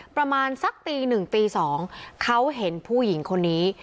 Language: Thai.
ประมาณสักตีหนึ่งตี๒เขาเห็นผู้หญิงคนนี้